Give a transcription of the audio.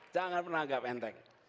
jangan pernah anggap enteng